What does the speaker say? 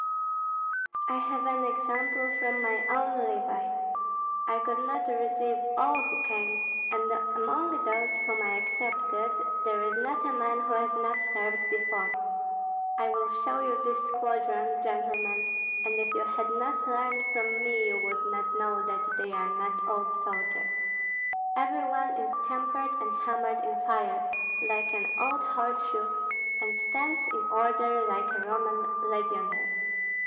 I have an example from my own levy. I could not receive all who came, and among those whom I accepted there is not a man who has not served before. I will show you this squadron, gentlemen, and if you had not learned from me you would not know that they are not old soldiers. Every one is tempered and hammered in fire, like an old horseshoe, and stands in order like a Roman legionary.